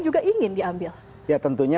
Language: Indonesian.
juga ingin diambil ya tentunya